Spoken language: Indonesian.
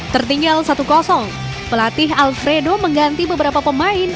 tertinggal satu pelatih alfredo mengganti beberapa pemain